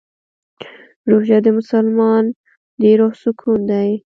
روژه د مسلمان د روح سکون دی.